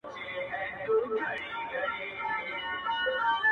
• هفتې وورسته خپل نصیب ته ورتسلیم سو ,